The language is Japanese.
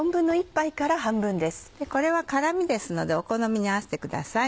これは辛みですのでお好みに合わせてください。